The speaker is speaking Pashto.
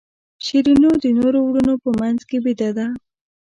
شیرینو د نورو وروڼو په منځ کې بېده ده.